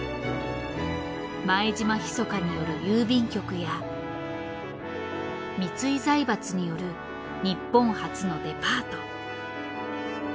前島密による郵便局や三井財閥による日本初のデパート。